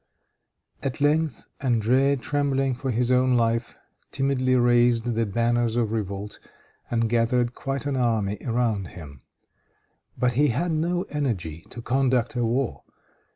At length André, trembling for his own life, timidly raised the banners of revolt, and gathered quite an army around him. But he had no energy to conduct a war.